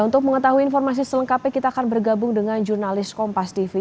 untuk mengetahui informasi selengkapnya kita akan bergabung dengan jurnalis kompas tv